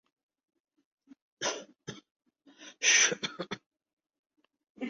خارجہ پالیسی ظاہر ہے کہ متنوع امور کا مجموعہ ہے۔